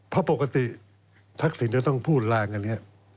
เพราะปกติทักษิณจะต้องพูดแรงอันนี้